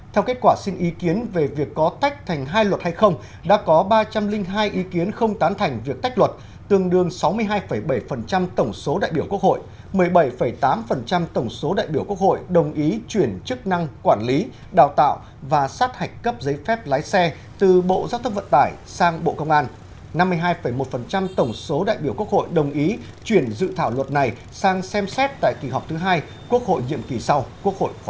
theo kết quả xin ý kiến về việc có tách thành hai luật hay không đã có ba trăm linh hai ý kiến không tán thành việc tách luật tương đương sáu mươi hai bảy tổng số đại biểu quốc hội một mươi bảy tám tổng số đại biểu quốc hội đồng ý chuyển chức năng quản lý đào tạo và sát hạch cấp giấy phép lái xe từ bộ giao thông vận tải sang bộ công an năm mươi hai một tổng số đại biểu quốc hội đồng ý chuyển dự thảo luật này sang xem xét tại kỳ họp thứ hai quốc hội nhiệm kỳ sau quốc hội khóa một mươi năm